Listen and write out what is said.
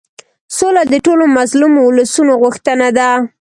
سوله د ټولو مظلومو اولسونو غوښتنه ده.